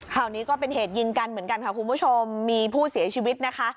ข่าวนี้ก็เป็นเหตุยิงกันเหมือนกันค่ะคุณผู้ชมมีผู้เสียชีวิตนะคะ